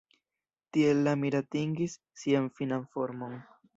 Tiel la Mir atingis sian finan formon.